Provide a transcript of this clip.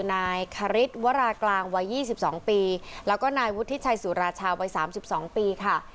นายคาริตวรากลางวัยยี่สิบสองปีแล้วก็นายวุฒิชัยสุราชาวัยสามสิบสองปีค่ะ